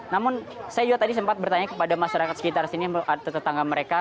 namun saya juga tadi sempat bertanya kepada masyarakat sekitar sini atau tetangga mereka